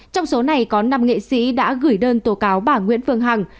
trong số này có năm nghệ sĩ đã gửi đơn tố cáo bà nguyễn phương hằng